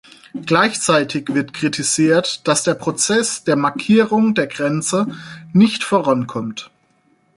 Gleichzeitig wird kritisiert, dass der Prozess der Markierung der Grenze nicht vorankommt.